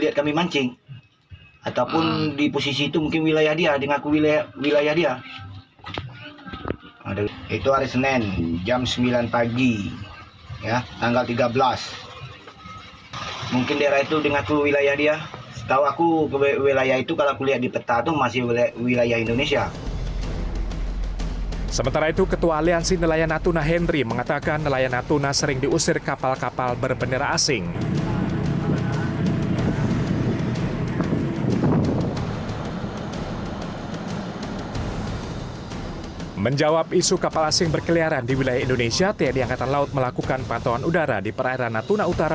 tiongkok menyebut kapal ini sebagai peristiwa tersebut